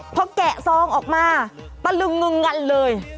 พอแกะซองออกมาตะลึงงึงงันเลย